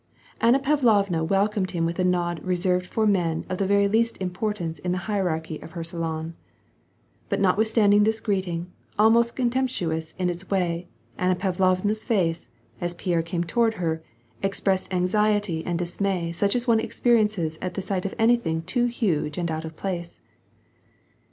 Anna Pavlovna welcomed him with a nod reserved for men of the very least importance in the hierarchy of her salon. But notwithstanding this greeting, almost contemptuous in its way, Anna Pavlovna's face, as Pierre came toward her, ex pressed anxiety and dismay such as one experiences at the sight of anything too huge and out of place.